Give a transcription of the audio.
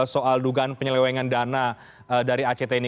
soal dugaan penyelewengan dana dari act ini